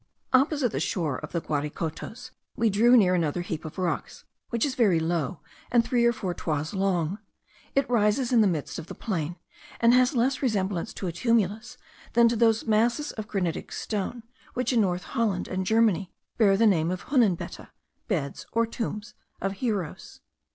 Opposite the shore of the Guaricotos, we drew near another heap of rocks, which is very low, and three or four toises long. It rises in the midst of the plain, and has less resemblance to a tumulus than to those masses of granitic stone, which in North Holland and Germany bear the name of hunenbette, beds (or tombs) of heroes.